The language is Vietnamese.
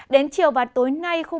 đến chiều và tối nay